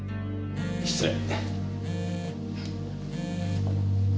失礼。